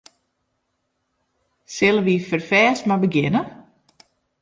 Sille wy ferfêst mar begjinne?